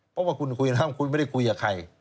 เพราะว่าคุณคุยกันแล้วคุณไม่ได้คุยกับใคร